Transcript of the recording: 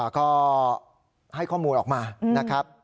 ก็ให้ข้อมูลออกมานะครับ